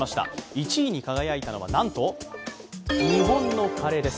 １位に輝いたのは、なんと日本のカレーです。